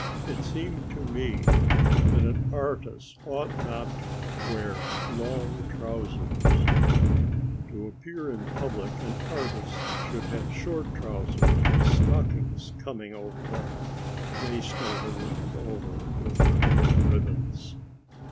It seemed to me that an artist ought not to wear long trousers; to appear in public an artist should have short trousers with stockings coming over them, laced over and over with colored ribbons.